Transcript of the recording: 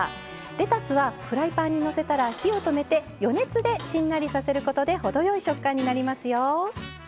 レタスはフライパンにのせたら火を止めて余熱でしんなりさせることで程よい食感になりますよ。